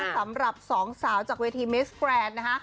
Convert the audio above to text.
สำหรับสองสาวจากเวทีเมสแกรนด์นะคะ